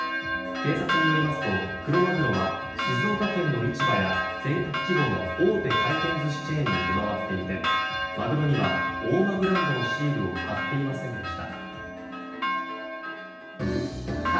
警察によりますとクロマグロは静岡県の市場や全国規模の大手回転寿司チェーンに出回っていてマグロには大間ブランドのシールを貼っていませんでした。